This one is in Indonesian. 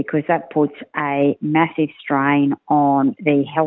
karena itu menyebabkan penyakit yang besar